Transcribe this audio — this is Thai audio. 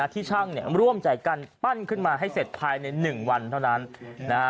ที่ช่างเนี่ยร่วมใจกันปั้นขึ้นมาให้เสร็จภายใน๑วันเท่านั้นนะฮะ